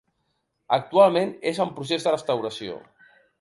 Actualment, és en procés de restauració.